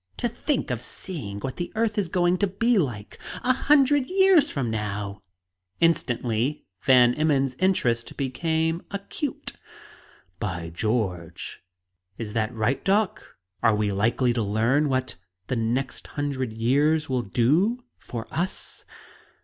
To think of seeing what the earth is going to be like, a hundred years from now!" Instantly Van Emmon's interest became acute. "By George! Is that right, doc? Are we likely to learn what the next hundred years will do for us?"